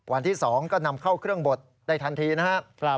วันที่๒ก็นำเข้าเครื่องบดได้ทันทีนะครับ